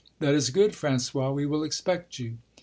"That is good, François, we will expect you."